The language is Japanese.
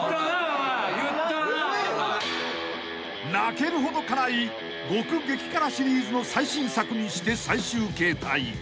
［泣けるほど辛い獄激辛シリーズの最新作にして最終形態］